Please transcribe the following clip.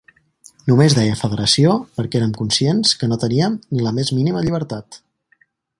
Només deia ‘federació’, perquè érem conscients que no teníem ni la més mínima llibertat.